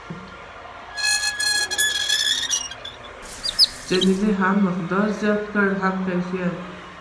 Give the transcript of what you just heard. جملو هم مقدار زیات کړ هم کیفیت.